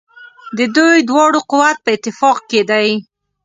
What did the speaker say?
د دوی دواړو قوت په اتفاق کې دی.